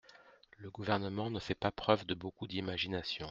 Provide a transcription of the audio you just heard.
Le Gouvernement ne fait pas preuve de beaucoup d’imagination.